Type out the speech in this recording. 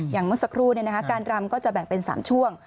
เมื่อสักครู่การรำก็จะแบ่งเป็น๓ช่วง